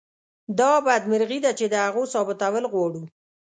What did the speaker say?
دا بدمرغي ده چې د هغو ثابتول غواړو.